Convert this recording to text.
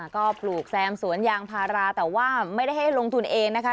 ก็ปลูกแซมสวนยางพาราแต่ว่าไม่ได้ให้ลงทุนเองนะคะ